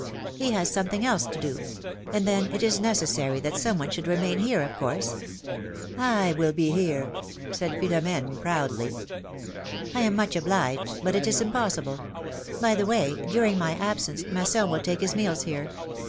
He has something else to do. And then, it is neces sary that some one should remain here, of course." I will be here !" said Philom^ne, proudly. I am much obliged, but it is impossible. By the way, during my absence Masson will take his meals here.